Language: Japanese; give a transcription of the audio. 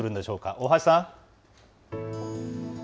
大橋さん。